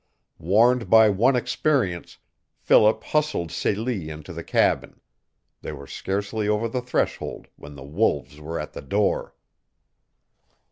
Warned by one experience, Philip hustled Celie into the cabin. They were scarcely over the threshold when the wolves were at the door.